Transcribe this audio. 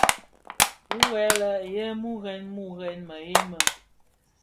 Wu lè yè murèn muren meghel me.